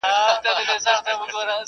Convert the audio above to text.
راسه چي دي حسن ته جامې د غزل وا غوندم,